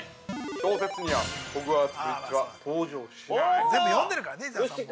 小説にはホグワーツ・ブリッジは登場しない。